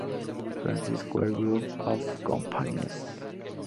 Francis Square Group of Companies.